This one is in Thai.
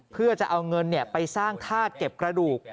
เพื่อจะเอาเงินไปสร้างธาตุเก็บกระดูก